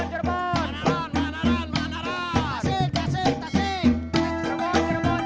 tasik tasik tasik